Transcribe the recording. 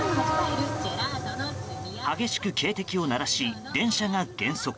激しく警笛を鳴らし電車が減速。